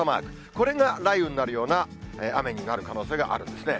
これが雷雨になるような雨になる可能性があるんですね。